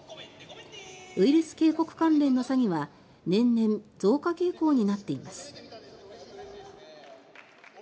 ウイルス警告関連の詐欺は年々増加傾向になっています。